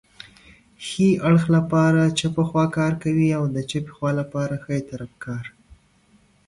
ښي اړخ لپاره چپه خواکار کوي او د چپې خوا لپاره ښی طرف کار